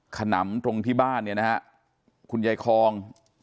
ขนำตรงที่บ้านเนี่ยนะฮะคุณยายคอง